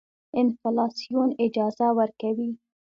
انفلاسیون اجازه ورکوي.